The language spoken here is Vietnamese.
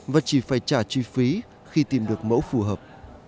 và chỉ phải trả chi phí khi tìm được mẫu phù hợp